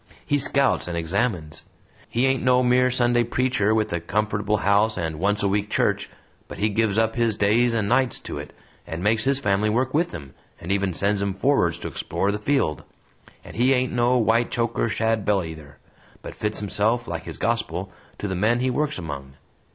He scouts and examines; he ain't no mere Sunday preacher with a comfortable house and once a week church, but he gives up his days and nights to it, and makes his family work with him, and even sends 'em forward to explore the field. And he ain't no white choker shadbelly either, but fits himself, like his gospel, to the men he works among.